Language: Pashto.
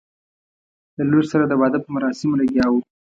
له لور سره د واده په مراسمو لګیا وو.